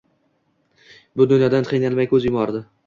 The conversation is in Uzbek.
Bu dunyodan qiynalmay koʻz yumardi.